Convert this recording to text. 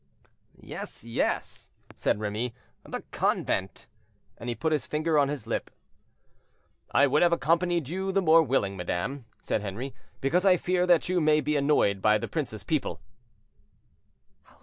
"Yes, yes," said Remy; "the convent;" and he put his finger on his lip. "I would have accompanied you the more willingly, madame." said Henri; "because I fear that you may be annoyed by the prince's people."